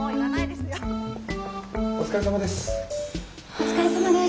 お疲れさまです。